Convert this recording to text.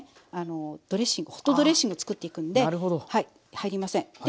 ドレッシングホットドレッシングをつくっていくんではい入りません。